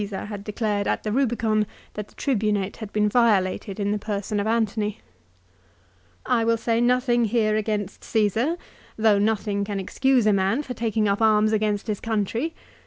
B 242 LIFE OF CICERO. had declared at the Eubicon that the Tribunate had been violated in the person of Antony. " I will say nothing here against Caesar though nothing can excuse a man for taking up arms against his country.